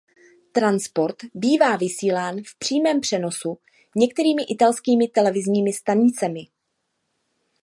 Transport bývá vysílán v přímém přenosu některými italskými televizními stanicemi.